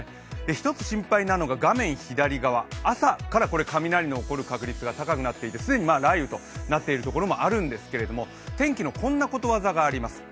一つ心配なのが画面左側、朝から雷が起こる確率が高くなっていて、既に雷雨となっているところもあるんですけれども天気のこんなことわざがあります。